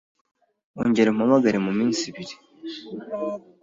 Ongera umpamagare muminsi ibiri.